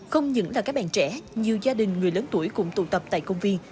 không những là các bạn trẻ nhiều gia đình người lớn tuổi cũng tụ tập tại công viên